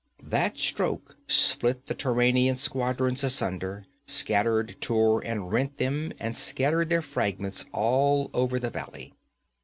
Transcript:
That stroke split the Turanian squadrons asunder, shattered, tore and rent them and scattered their fragments all over the valley.